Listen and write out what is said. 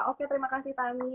oke terima kasih tami